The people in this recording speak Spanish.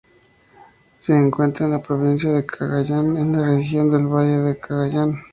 Se encuentra en la provincia de Cagayan en la Región del Valle de Cagayán.